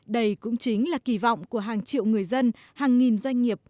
đây cũng chính là kỳ vọng của hàng triệu người dân hàng nghìn doanh nghiệp